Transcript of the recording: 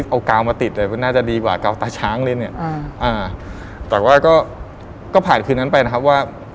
เอากาวมาติดเลยมันน่าจะดีกว่ากาวตาช้างเลยเนี่ยแต่ว่าก็ก็ผ่านคืนนั้นไปนะครับว่า